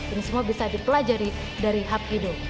ini semua bisa dipelajari dari hapkido